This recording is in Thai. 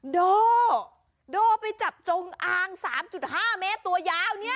โดโดโดไปจับจงอาง๓๕เมตรตัวยาวเนี่ย